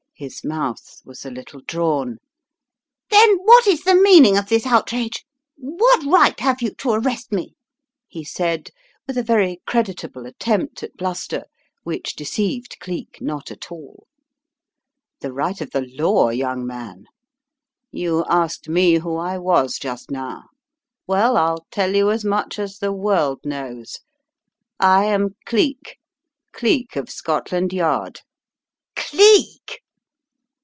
His mouth was a little drawn. "Then what is the meaning of this outrage? What right have you to arrest me?" he said with a very creditable attempt at bluster which deceived Cleek not at all. "The right of the law, young man. You asked me wko I was just now. Well, I'll tell you as much as the world knows — I am Cleek, Cleek of Scotland Yard." CO < Tis a Mad World, My Masters" 243 "Cleek!"